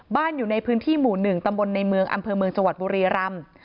อยู่ในพื้นที่หมู่๑ตำบลในเมืองอำเภอเมืองจังหวัดบุรีรำ